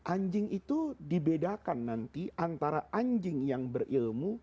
anjing itu dibedakan nanti antara anjing yang berilmu